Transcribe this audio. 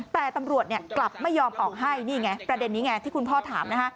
แต่ตำรวจกลับไม่ยอมออกให้นี่ไงประเด็นนี้ไงที่คุณพ่อถามนะฮะ